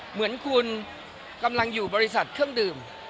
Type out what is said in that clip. เหมือนคุณกำลังอยู่บริษัทเครื่องดื่ม